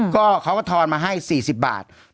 ก็เขาก็ทอนมาให้๔๐บาท